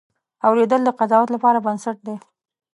اورېدل د قضاوت لپاره بنسټ دی.